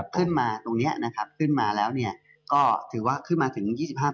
ขึ้นมาตรงนี้ขึ้นมาแล้วถือว่าขึ้นมาถึง๒๕